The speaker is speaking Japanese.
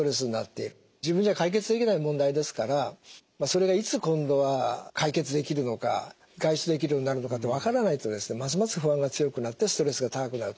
自分じゃ解決できない問題ですからそれがいつ今度は解決できるのか外出できるようになるのかっていうのが分からないとですねますます不安が強くなってストレスが高くなると思いますね。